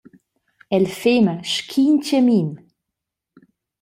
El fema sc’in tgamin.